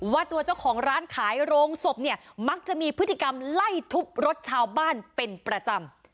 ว่าตัวเจ้าของร้านขายโรงศพเนี่ยมักจะมีพฤติกรรมไล่ทุบรถชาวบ้านเป็นประจำ